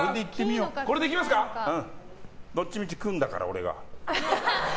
どっちみち食うんだから、俺が。